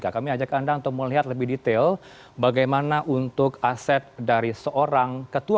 kami ajak anda untuk melihat lebih detail bagaimana untuk aset dari seorang ketua